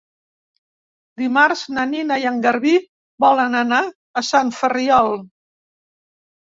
Dimarts na Nina i en Garbí volen anar a Sant Ferriol.